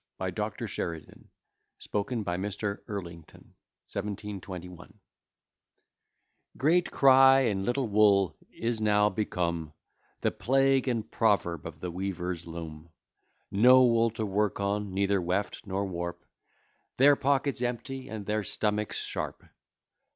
BY DR. SHERIDAN. SPOKEN BY MR. ELRINGTON. 1721 Great cry, and little wool is now become The plague and proverb of the weaver's loom; No wool to work on, neither weft nor warp; Their pockets empty, and their stomachs sharp.